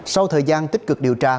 sau thời gian tích cực điều tra